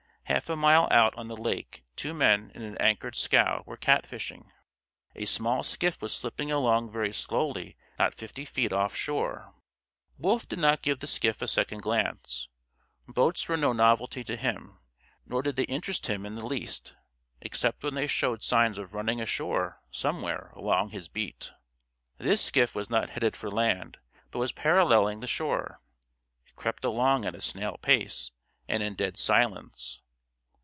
Half a mile out on the lake two men in an anchored scow were cat fishing. A small skiff was slipping along very slowly, not fifty feet off shore. Wolf did not give the skiff a second glance. Boats were no novelty to him, nor did they interest him in the least except when they showed signs of running ashore somewhere along his beat. This skiff was not headed for land, but was paralleling the shore. It crept along at a snail pace and in dead silence.